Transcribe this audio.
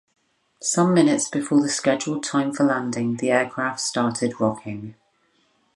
Some minutes before the scheduled time for landing the aircraft started rocking.